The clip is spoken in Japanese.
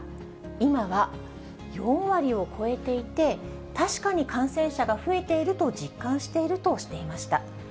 今は４割を超えていて、確かに感染者が増えていると実感しているとしていました。